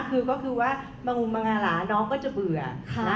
คือก็คือว่ามางมมางาราน้องก็จะเบื่อนะ